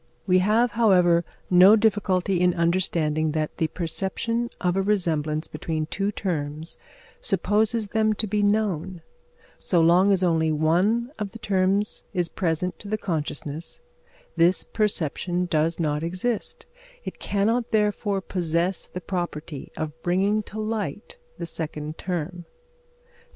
We have, however, no difficulty in understanding that the perception of a resemblance between two terms supposes them to be known; so long as only one of the terms is present to the consciousness, this perception does not exist; it cannot therefore possess the property of bringing to light the second term.